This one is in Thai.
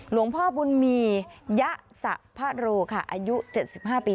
หลวงพ่อบุญมียะสะพะโรค่ะอายุ๗๕ปี